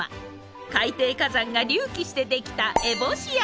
海底火山が隆起して出来た烏帽子山。